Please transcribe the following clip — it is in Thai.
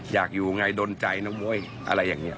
อยากอยู่ไงดนใจนะมวยอะไรอย่างนี้